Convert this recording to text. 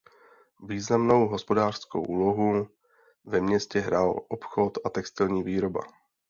Významnou hospodářskou úlohu ve městě hrál obchod a textilní výroba.